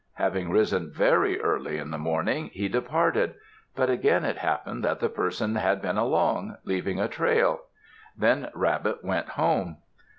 Having risen very early in the morning, he departed, but again it happened that the person had been along, leaving a trail. Then Rabbit went home.